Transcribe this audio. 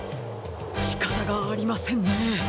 しかたがありませんね。